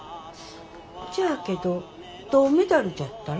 じゃあけど銅メダルじゃったら？